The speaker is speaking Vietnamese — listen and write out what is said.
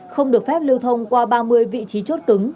không được phép lưu thông qua ba mươi vị trí chốt cứng